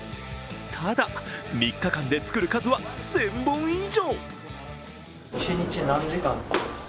ただ、３日間で作る数は１０００本以上。